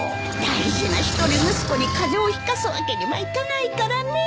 大事な一人息子に風邪をひかすわけにはいかないからねえ。